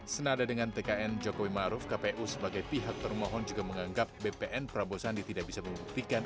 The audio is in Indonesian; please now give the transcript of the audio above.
senada dengan tkn jokowi maruf kpu sebagai pihak termohon juga menganggap bpn prabowo sandi tidak bisa membuktikan